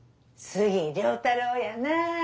杉良太郎やな。